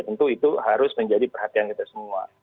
tentu itu harus menjadi perhatian kita semua